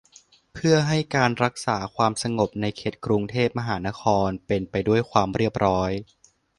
เพื่อให้การรักษาความสงบในเขตกรุงเทพมหานครเป็นไปด้วยความเรียบร้อย